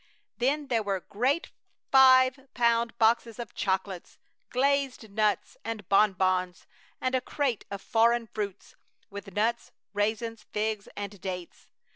Then there were great five pound boxes of chocolates, glacéd nuts and bonbons, and a crate of foreign fruits, with nuts, raisins, figs, and dates.